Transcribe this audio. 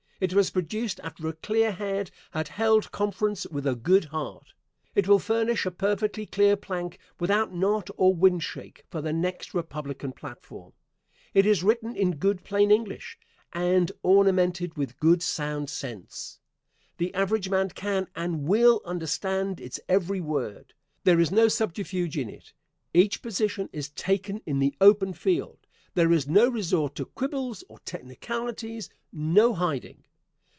It was produced after a clear head had held conference with a good heart. It will furnish a perfectly clear plank, without knot or wind shake, for the next Republican platform. It is written in good plain English, and ornamented with good sound sense. The average man can and will understand its every word. There is no subterfuge in it. Each position is taken in the open field. There is no resort to quibbles or technicalities no hiding.